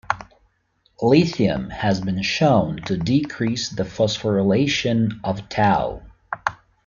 Lithium has been shown to decrease the phosphorylation of tau.